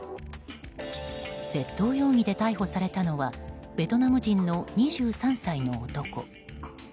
窃盗容疑で逮捕されたのはベトナム人の２３歳の男。